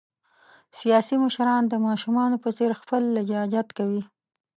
سیاسي مشران د ماشومان په څېر خپل لجاجت کوي.